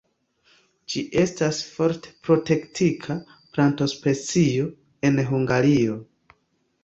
Ĝi estas forte protektita plantospecio en Hungario.